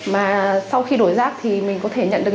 mà sau khi đổi rác thì mình có thể nhận được